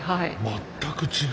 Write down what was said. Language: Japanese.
全く違う。